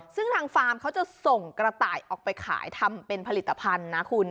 ซึ่งทางฟาร์มเขาจะส่งกระต่ายออกไปขายทำเป็นผลิตภัณฑ์นะคุณ